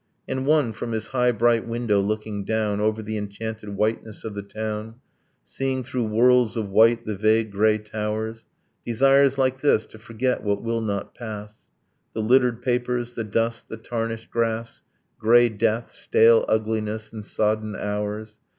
And one, from his high bright window looking down Over the enchanted whiteness of the town, Seeing through whirls of white the vague grey towers, Desires like this to forget what will not pass, The littered papers, the dust, the tarnished grass, Grey death, stale ugliness, and sodden hours.